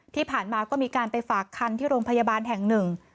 ที่ผ่านมาก็มีการไปฝากคันที่โรงพยาบาลแห่งหนึ่ง